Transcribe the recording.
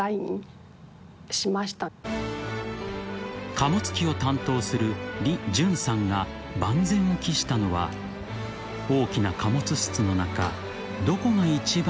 ［貨物機を担当する李軍さんが万全を期したのは大きな貨物室の中どこが一番揺れずに］